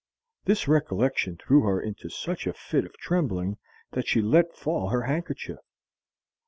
This recollection threw her into such a fit of trembling that she let fall her handkerchief.